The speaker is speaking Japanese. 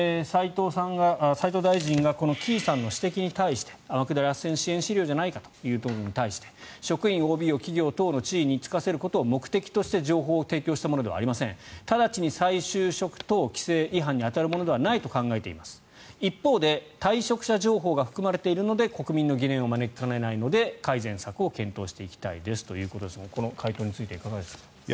斉藤大臣がこの城井さんの指摘に対して天下りあっせん支援資料じゃないかということに対して職員ＯＢを企業等の地位に就かせることを目的として情報を提供したものではありません直ちに再就職等規制違反に当たるものではないと考えています一方で、退職者情報が含まれているので国民の疑念を招きかねないので改善策を検討していきたいということですがこの回答についていかがですか？